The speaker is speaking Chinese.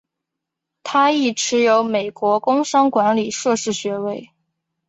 他亦持有美国工商管理硕士学位。